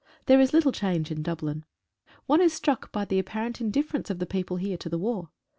There is little change in Dublin. One is struck by the apparent indifference of the people here to the war.